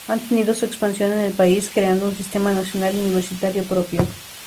Han tenido su expansión en el País, creando un sistema nacional universitario propio.